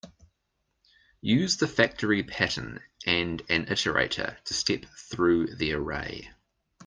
Use the factory pattern and an iterator to step through the array.